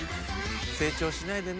成長しないでね。